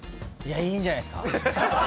いいんじゃないすか。